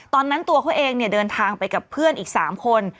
ตอนนั้นตัวเขาเองเดินทางไปกับเพื่อนอีก๓คน